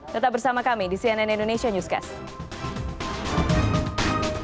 tetap bersama kami di cnn indonesia newscast